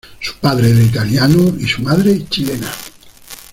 Su padre era italiano y su madre chilena.